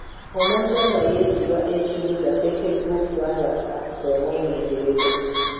Omuntu nga yeesiba ekiwuzi ateekeddwa okuba omwegendereza.